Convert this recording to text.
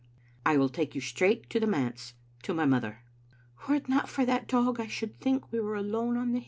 "I will take you straight to the manse, to my mother. "" Were it not for that dog, I should think we were alone on the hill."